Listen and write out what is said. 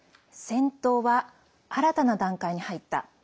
戦闘は新たな段階に入った。